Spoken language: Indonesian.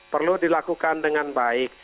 perlu dilakukan dengan baik